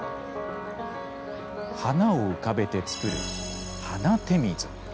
花を浮かべて作る花手水。